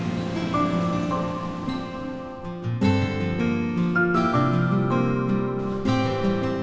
terima kasih mbak